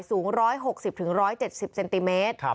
สูง๑๖๐๑๗๐เซนติเมตร